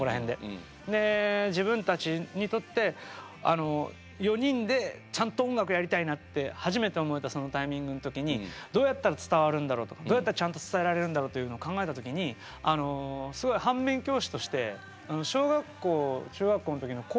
で自分たちにとってあの４人でちゃんと音楽やりたいなって初めて思えたそのタイミングの時にどうやったら伝わるんだろうとどうやったらちゃんと伝えられるんだろうというのを考えた時にあのすごいが出てきたんですよね。